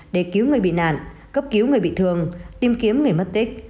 để cứu người bị nạn cấp cứu người bị thương tìm kiếm người mất tích